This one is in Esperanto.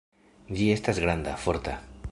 Ĝi estas granda, forta.